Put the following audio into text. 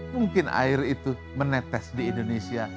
mungkin air itu menetes di indonesia